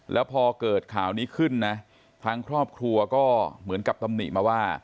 แล้วพอเกิดข่าวนี้ขึ้นนะทางครอบครัวก็เหมือนกับตำหนิมาว่า